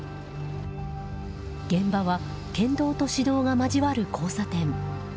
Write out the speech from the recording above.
現場は県道と市道が交わる交差点。